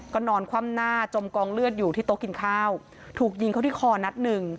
ก็นอนคว่ำหน้าจมกองเลือดอยู่ที่โต๊ะกินข้าวถูกยิงเขาที่คอนัดหนึ่ง